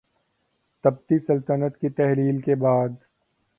تبتی سلطنت کی تحلیل کے بعد